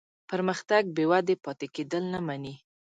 پرمختګ بېودې پاتې کېدل نه مني.